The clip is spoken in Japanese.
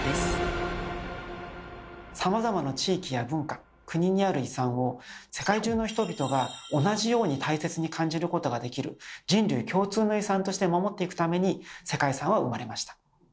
さまざまな地域や文化国にある遺産を世界中の人々が同じように大切に感じることができる人類共通の遺産として守っていくために世界遺産は生まれました。